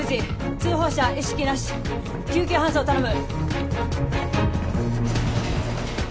通報者意識なし救急搬送頼む！